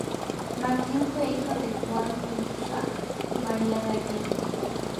Martín fue hijo de Juan de Urzúa y María de Aguirre.